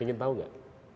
ingin tahu gak